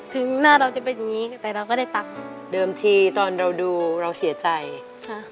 ถึงหน้าเราจะเป็นอย่างงี้แต่เราก็ได้ตังค์เดิมทีตอนเราดูเราเสียใจค่ะ